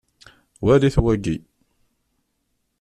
Walit wagi.